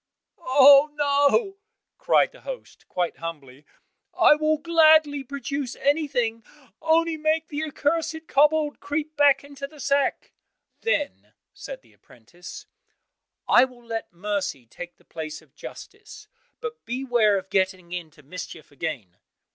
"Oh, no," cried the host, quite humbly, "I will gladly produce everything, only make the accursed kobold creep back into the sack." Then said the apprentice, "I will let mercy take the place of justice, but beware of getting into mischief again!"